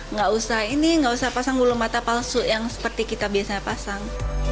nggak usah ini nggak usah pasang bulu mata palsu yang seperti kita biasanya pasang